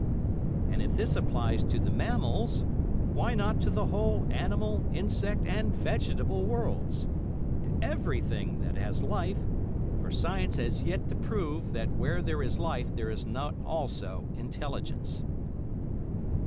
And if this applies to the mammals, why not to the whole animal, insect, and vegetable worlds—to everything that has life, for Science has yet to prove that where there is life, there is not also intelligence.